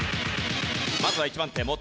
まずは１番手元